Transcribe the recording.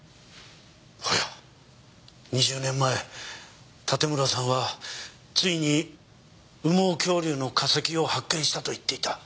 そうや２０年前盾村さんはついに羽毛恐竜の化石を発見したと言っていた。